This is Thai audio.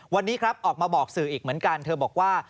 วันนี้ครับออกมาบอกสื่ออีกเหมือนกันเธอบอกว่า